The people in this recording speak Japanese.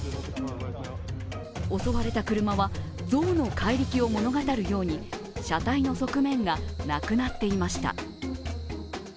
襲われた車は象の怪力を物語るように車体の側面がなくなっていました。